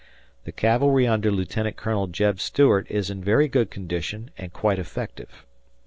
The cavalry under Lieutenant Colonel J. E. B. Stuart is in very good condition and quite effective.